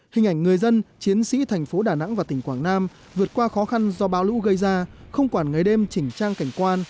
hình ảnh người dân chiến sĩ thành phố đà nẵng và tỉnh quảng nam vượt qua khó khăn do bão lũ gây ra không quản ngày đêm chỉnh trang cảnh quan